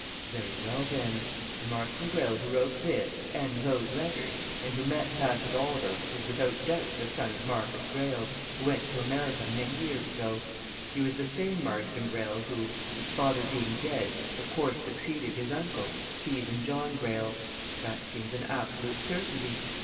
"Very well, then the Marston Greyle who wrote this, and those letters, and who met Bassett Oliver was without doubt the son of Marcus Greyle, who went to America many years ago. He was the same Marston Greyle, who, his father being dead, of course succeeded his uncle, Stephen John Greyle that seems an absolute certainty.